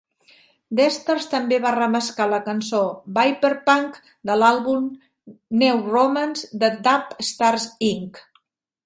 Deathstars també va remesclar la cançó "Vyperpunk" de l'àlbum "Neuromance" de Dope Stars Inc.